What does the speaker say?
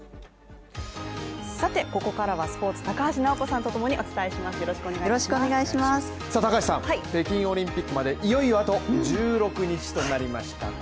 さて、ここからはスポーツ高橋尚子さんとともにお伝えします北京オリンピックまでいよいよあと１６日となりました